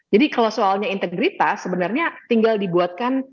jadi kalau soalnya integritas sebenarnya tinggal dibuatkan